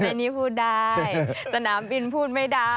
อันนี้พูดได้สนามบินพูดไม่ได้